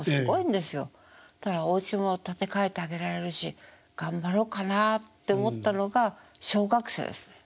おうちも建て替えてあげられるし頑張ろうかなって思ったのが小学生ですね。